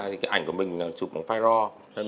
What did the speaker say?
thì cái ảnh của mình chụp bằng fireraw